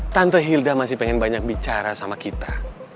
tante hilda masih pengen banyak bicara sama kita